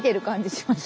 します。